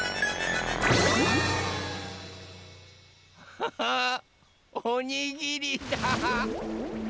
ハハおにぎりだ！